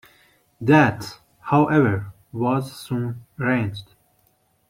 That, however, was soon arranged.